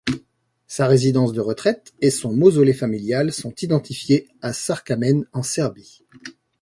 Sa résidence de retraite et son mausolée familial sont identifiés à Šarkamen en Serbie.